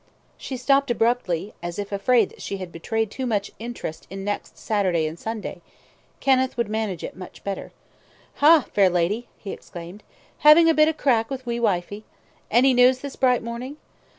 She stopped abruptly, as if afraid that she had betrayed too much interest in next Saturday and Sunday. Kenneth would manage it much better. "Ha! lady fair," he exclaimed. "Having a bit crack with wee wifey? Any news this bright morning?"